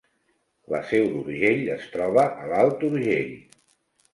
La Seu d’Urgell es troba a l’Alt Urgell